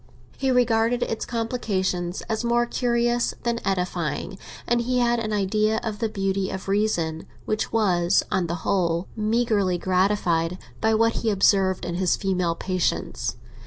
He regarded its complications as more curious than edifying, and he had an idea of the beauty of reason, which was, on the whole, meagrely gratified by what he observed in his female patients.